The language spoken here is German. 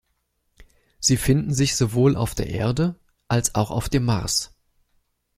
Sie finden sich sowohl auf der Erde als auch auf dem Mars.